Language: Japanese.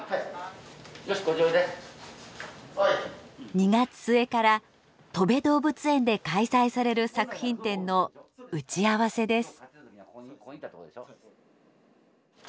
２月末からとべ動物園で開催される作品展の打ち合わせです。